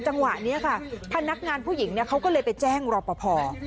จังหวะนี้ค่ะพนักงานผู้หญิงเขาก็เลยไปแจ้งรอปภ